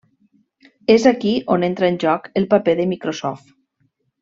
És aquí on entra en joc el paper de Microsoft.